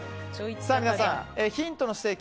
皆さん、ヒントのステーキ